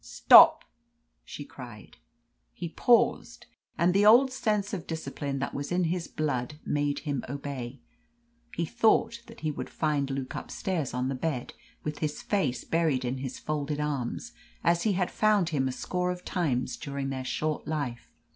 "Stop!" she cried. He paused, and the old sense of discipline that was in his blood made him obey. He thought that he would find Luke upstairs on the bed with his face buried in his folded arms, as he had found him a score of times during their short life.